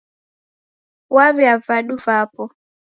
Waiw'a vadu vapo.